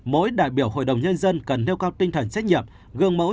mỗi đại biểu hội đồng nhân dân cần nêu cao tinh thần trách nhiệm gương mẫu